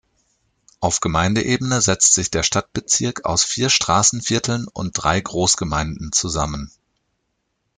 Auf Gemeindeebene setzt sich der Stadtbezirk aus vier Straßenvierteln und drei Großgemeinden zusammen.